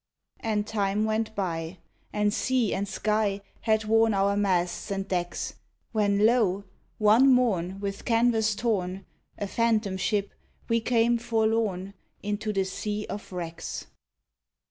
And time went by; and sea and sky Had worn our masts and decks; When, lo! one morn with canvas torn, A phantom ship, we came forlorn Into the Sea of Wrecks.